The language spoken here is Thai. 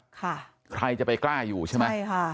ใครจะไปกล้าอยู่ใช่ไหมใช่ค่ะ